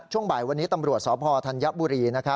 ช่วงบ่ายวันนี้ตำรวจสพธัญบุรี